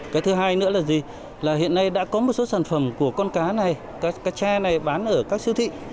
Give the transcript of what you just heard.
cái thứ hai nữa là gì là hiện nay đã có một số sản phẩm của con cá này các cá tre này bán ở các siêu thị